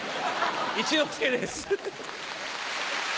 一之輔です。